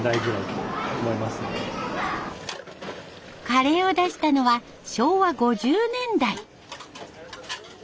カレーを出したのは昭和５０年代。